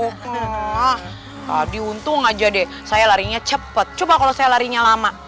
tadi untung aja deh saya larinya cepet coba kalau saya larinya lama